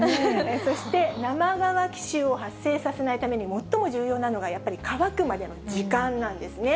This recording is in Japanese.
そして生乾き臭を発生させないために最も重要なのが、やっぱり乾くまでの時間なんですね。